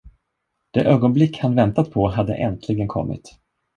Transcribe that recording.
Det ögonblick, han väntat på, hade äntligen kommit.